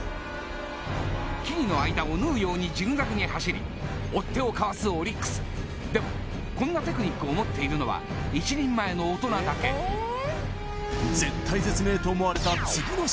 木々の間をぬうようにジグザグに走り追っ手をかわすオリックスでもこんなテクニックを持っているのは一人前の大人だけ絶体絶命と思われた